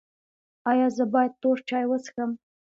ایا زه باید تور چای وڅښم؟